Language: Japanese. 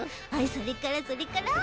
それからそれから。